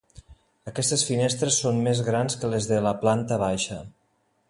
Aquestes finestres són més grans que les de la planta baixa.